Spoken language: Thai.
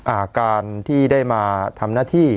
อาการที่ได้มาทำหน้าที่